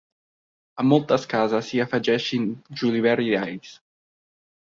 A moltes cases hi afegeixen julivert i alls.